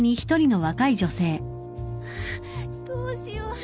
ああどうしよう。